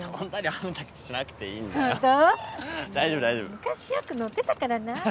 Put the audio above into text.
昔よく乗ってたからな。